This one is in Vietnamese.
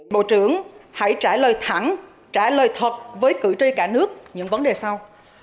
bộ trưởng hãy trả lời thẳng trả lời thật với cử tri cả nước những vấn đề sau